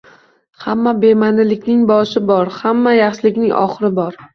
Hamma bema'nilikning boshi bor, hamma yaxshilikning oxiri bor